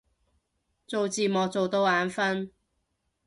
做字幕做到眼憤